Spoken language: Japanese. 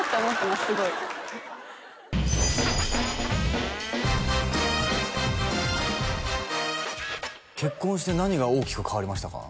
すごい結婚して何が大きく変わりましたか？